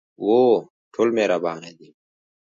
هو، ټول مهربانه دي